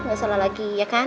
nggak salah lagi ya kan